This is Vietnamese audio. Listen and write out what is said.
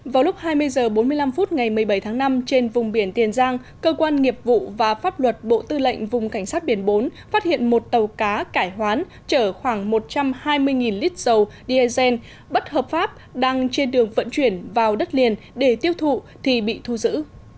vào lúc hai mươi h bốn mươi năm phút ngày một mươi bảy tháng năm trên vùng biển tiền giang cơ quan nghiệp vụ và pháp luật bộ tư lệnh vùng cảnh sát biển bốn phát hiện một tàu cá cải hoán chở khoảng một trăm hai mươi lít dầu diesel bất hợp pháp đang trên đường vận chuyển vào đất liền để tiêu thụ thì bị thu giữ